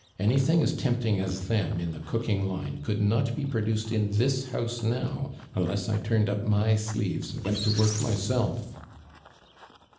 Anything as tempting as them in the cook ing lino coulil not be prodticed in this house now, unless I turned up my sleeves and went to work myself."